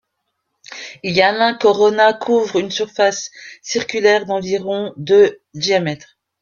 Ilyana Corona couvre une surface circulaire d'environ de diamètre.